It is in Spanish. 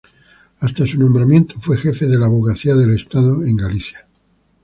Hasta su nombramiento fue jefa de la abogacía del estado en Galicia.